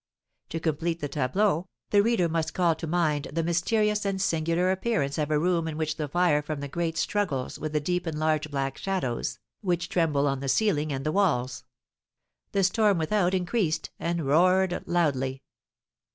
To complete the tableau, the reader must call to mind the mysterious and singular appearance of a room in which the fire from the grate struggles with the deep and large black shadows, which tremble on the ceiling and the walls. The storm without increased, and roared loudly.